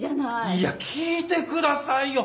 いや聞いてくださいよ！